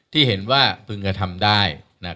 ที่เห็นว่าพึงกระทำได้